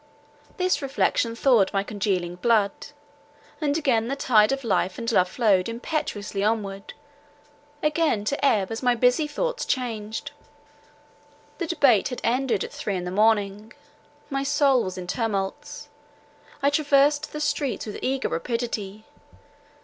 This reflection thawed my congealing blood, and again the tide of life and love flowed impetuously onward, again to ebb as my busy thoughts changed. The debate had ended at three in the morning. My soul was in tumults; I traversed the streets with eager rapidity.